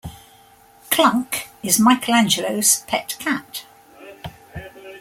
Klunk is Michelangelo's pet cat.